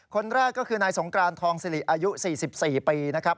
คนแรกก็คือนายสงกรานทองสิริอายุ๔๔ปีนะครับ